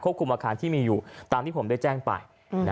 คุมอาคารที่มีอยู่ตามที่ผมได้แจ้งไป